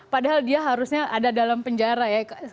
padahal dia harusnya ada dalam penjara ya